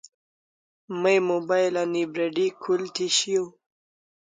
May mobile ani battery khul thi shiaw